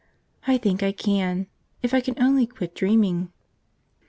I think I can, if I can only quit dreaming.